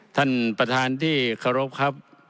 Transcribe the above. ท่านประธานที่เคารพครับ